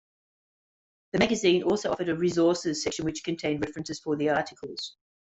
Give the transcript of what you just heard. The magazine also offered a "Resources" section which contained references for the articles.